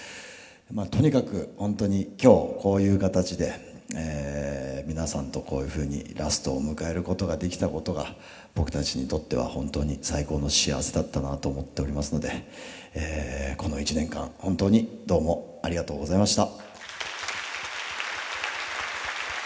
とにかく本当に今日こういう形で皆さんとこういうふうにラストを迎えることができたことが僕たちにとっては本当に最高の幸せだったなと思っておりますのでこの１年間本当にどうもありがとうございました。